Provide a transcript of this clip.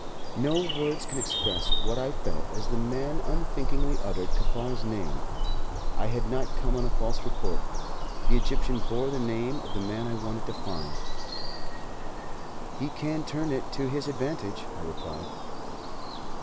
No words can express what I felt as the man unthinkingly uttered Kaffar's name. I had not come on a false report. The Egyptian bore the name of the man I wanted to find. "He can turn it to his advantage," I replied.